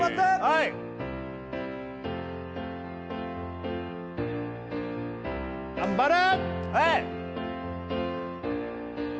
はい頑張れ！